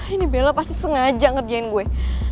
ini bella pasti sengaja ngerjain gue